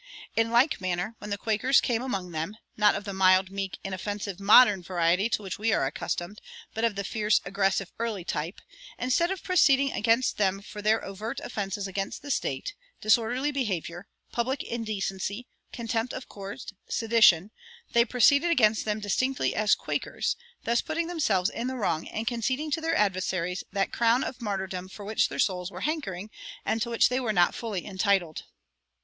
In like manner, when the Quakers came among them, not of the mild, meek, inoffensive modern variety to which we are accustomed, but of the fierce, aggressive early type, instead of proceeding against them for their overt offenses against the state, disorderly behavior, public indecency, contempt of court, sedition, they proceeded against them distinctly as Quakers, thus putting themselves in the wrong and conceding to their adversaries that crown of martyrdom for which their souls were hankering and to which they were not fully entitled.